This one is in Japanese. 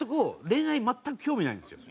恋愛全く興味ないんですよ。